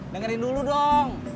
dengerin dulu dong